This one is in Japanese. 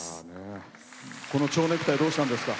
この、ちょうネクタイどうしたんですか？